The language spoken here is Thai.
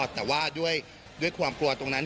แต่ว่าด้วยความกลัวตรงนั้น